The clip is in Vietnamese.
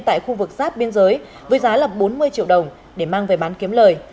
tại khu vực giáp biên giới với giá bốn mươi triệu đồng để mang về bán kiếm lời